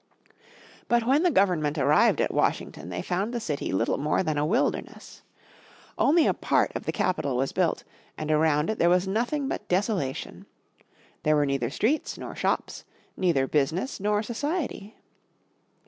But when the government arrived at Washington they found the city little more than a wilderness. Only a part of the Capitol was built, and around it there was nothing but desolation. There were neither streets, nor shops, neither business nor society.